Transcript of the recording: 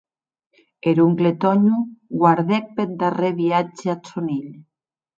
Er oncle Tònho guardèc per darrèr viatge ath sòn hilh.